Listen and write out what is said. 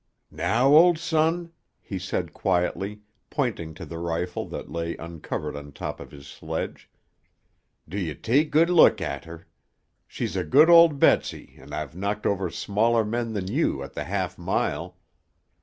"Now, old son," he said quietly, pointing to the rifle that lay uncovered on top of his sledge, "do 'ee take good look at her. She's a good old Betsy and I've knocked o'er smaller men than you at the half mile.